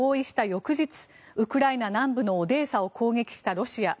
翌日ウクライナ南部のオデーサを攻撃したロシア。